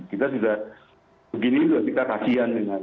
kita sudah begini sudah kita kasihan dengan